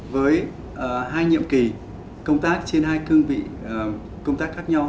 với hai nhiệm kỳ công tác trên hai cương vị công tác khác nhau